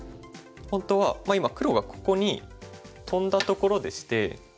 本当はまあ今黒がここにトンだところでして。